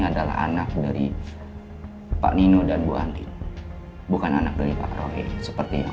adalah anak dari pak nino dan bu hanti bukan anak dari pak rohi seperti yang